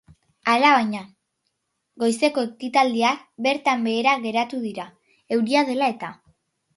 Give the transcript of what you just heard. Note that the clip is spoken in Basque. Alabaina, goizeko ekitaldiak bertan behera geratu dira, euria dela eta.